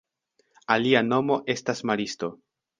Alia nomo estas maristo.